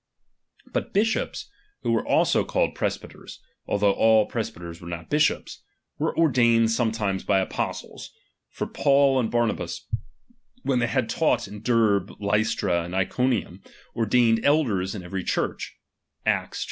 But bishops, who were also called presbyters, although all pres byters were not bishops, were ordained sometimes by apostles ; for Paul and Barnabas, when they had taught in Derbe, Lystra, and Iconium, ordained elders in every Church (Acts xiv.